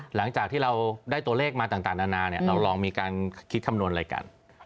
หลังจากที่เราได้ตัวเลขมาต่างนานาเราลองมีการคิดคำนวณอะไรกัน